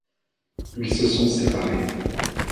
Ils se sont séparés.